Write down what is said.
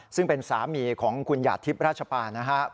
ซึ่งเป็นสามีของคุณหยาดทิพย์ราชปานะครับ